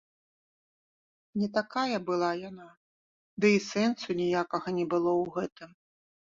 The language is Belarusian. Не такая была яна, ды і сэнсу ніякага не было ў гэтым.